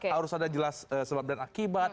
harus ada jelas sebab dan akibat